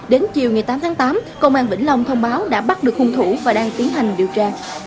đến chiều ngày tám tháng tám công an vĩnh long thông báo đã bắt được hung thủ và đang tiến hành điều tra